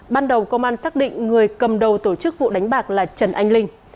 ban đầu cơ quan xác định người cầm đầu tổ chức vụ đánh bạc là trần anh linh